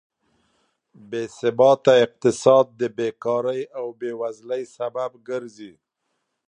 بېثباته اقتصاد د بېکارۍ او بېوزلۍ سبب ګرځي.